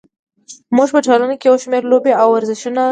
موږ په ټولنه کې یو شمېر لوبې او ورزشونه لرو.